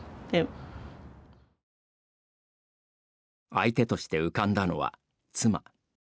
相手として浮かんだのは妻。